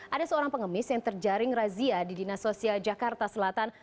ada seorang pengemis yang terjaring razia di dinas sosial jakarta selatan